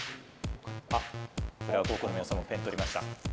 あっ浦和高校の皆さんもペン取りました。